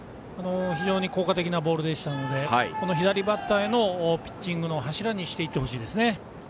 非常に効果的なボールでしたので左バッターへのピッチングの柱にしていってほしいですね。